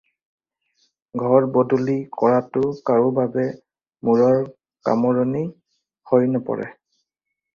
ঘৰ বদলি কৰাটো কাৰো বাবে মূৰৰ কামোৰণি হৈ নপৰে।